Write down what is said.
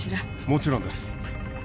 もちろんです。